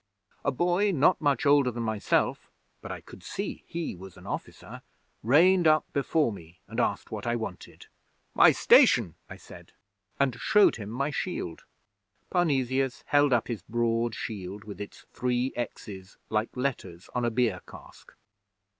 A boy not much older than myself, but I could see he was an officer, reined up before me and asked what I wanted. '"My station," I said, and showed him my shield.' Parnesius held up his broad shield with its three X's like letters on a beer cask.